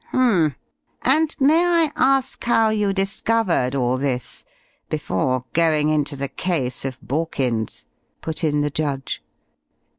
"H'm. And may I ask how you discovered all this, before going into the case of Borkins?" put in the judge.